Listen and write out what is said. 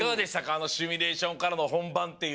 あのシミュレーションからのほんばんっていう。